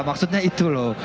maksudnya itu loh